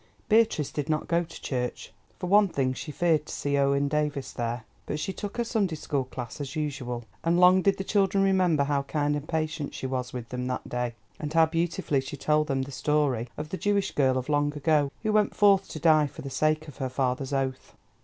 Beatrice did not go to church. For one thing, she feared to see Owen Davies there. But she took her Sunday school class as usual, and long did the children remember how kind and patient she was with them that day, and how beautifully she told them the story of the Jewish girl of long ago, who went forth to die for the sake of her father's oath.